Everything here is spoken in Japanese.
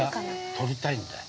◆取りたいんだよ。